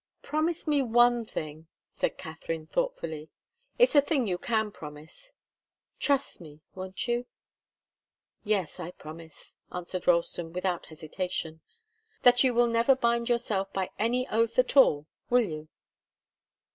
"Promise me one thing," said Katharine, thoughtfully. "It's a thing you can promise trust me, won't you?" "Yes I promise," answered Ralston, without hesitation. "That you will never bind yourself by any oath at all, will you?"